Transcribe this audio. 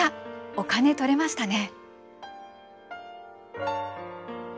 お金取れましたね！